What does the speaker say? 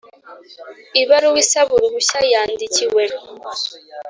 Ibaruwa isaba uruhushya yandikiwe